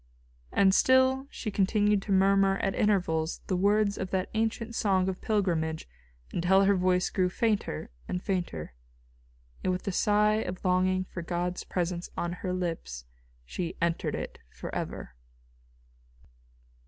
And still she continued to murmur at intervals the words of that ancient song of pilgrimage until her voice grew fainter and fainter, and with the sigh of longing for God's presence on her lips she entered it forever.